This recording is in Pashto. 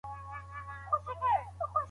د فشار کمول د ښوونځي لومړیتوب دی.